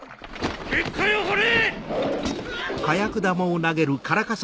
結界を張れ！